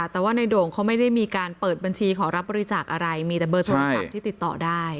แต่ว่าในโด่งเขาไม่ได้มีการเปิดบัญชีขอรับบริจาคอะไรมีแต่เบอร์โทรศัพท์ที่ติดต่อได้